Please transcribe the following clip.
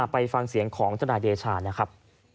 ไปฟังเสียงของทนายเดชานะครับ